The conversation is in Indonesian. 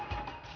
tuh airnya tuh